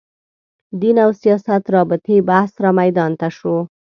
دین او سیاست رابطې بحث رامیدان ته شو